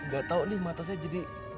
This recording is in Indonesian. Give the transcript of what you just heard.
gak tahu nih mata saya jadi